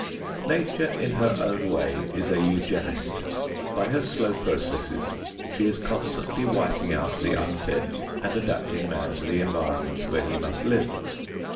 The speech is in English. Nature in her own way is a eugenist. By her slow processes she is continually wiping out the unfit and adapting man to the environment where he must live.